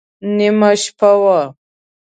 نیمه شپه وه.